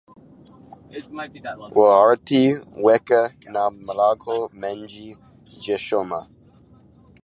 W'arighiti weka na malagho mengi gheshoma.